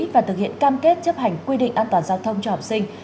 và thực hiện cam kết chấp hành quy định an toàn giao thông cho học sinh